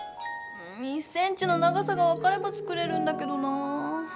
うん１ｃｍの長さがわかれば作れるんだけどなぁ。